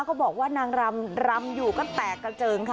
บอกว่านางรำรำอยู่ก็แตกกระเจิงค่ะ